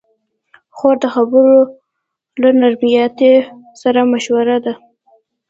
خور د خبرو له نرمتیا سره مشهوره ده.